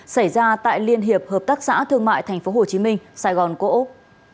xảy ra tại liên hiệp hợp tác xã thương mại tp hcm sài gòn cổ úc